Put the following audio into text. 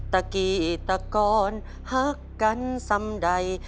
ตะกี้ตะกอนหักกันซ้ำใด